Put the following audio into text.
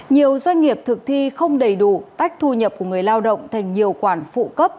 nhiều doanh nghiệp thực thi không đầy đủ tách thu nhập của người lao động thành nhiều quản phụ cấp